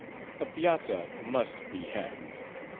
A piazza must be had.